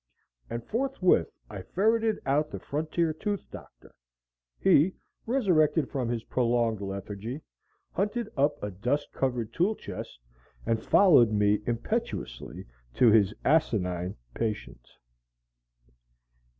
And forthwith I ferreted out the frontier tooth doctor. He, resurrected from his prolonged lethargy, hunted up a dust covered tool chest, and followed me impetuously to his asinine patient.